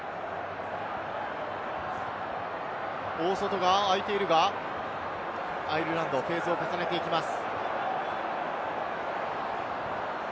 大外が空いているが、アイルランド、フェーズを重ねていきます。